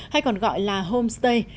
hay còn gọi là homestay